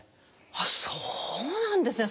あっそうなんですね。